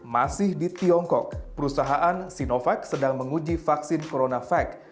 masih di tiongkok perusahaan sinovac sedang menguji vaksin coronavac